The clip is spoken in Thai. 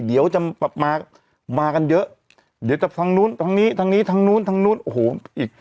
เดี๋ยวจะมากันเยอะเดี๋ยวจะทางนู้นทางนี้ทางนู้นทางนู้นโอ้โหอีก